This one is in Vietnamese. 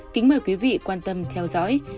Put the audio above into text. kính mời quý vị quan tâm theo dõi